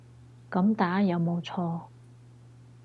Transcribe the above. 噉打有冇錯